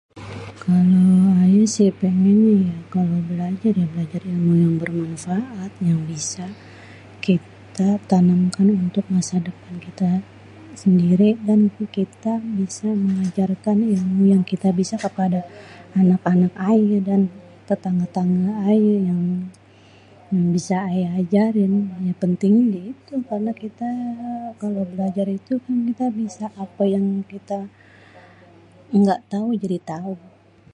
Kalo ayé si pengennyé ya kalau belajar, belajar ilmu yang bermanfaat yang bisa kita tanamkan untuk masa depan kita sendiri dan kita bisa mengajarkan ilmu yang kita bisa kepada anak-anak ayé dan tetanggê-tetanggê ayé yang bisa ayé ajarin yang pentin gitu karena kita... kalau belajar itu kan kita bisaaa... apê yang kita engga tau jadi tau.